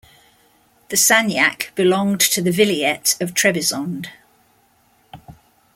The sanjak belonged to the vilayet of Trebizond.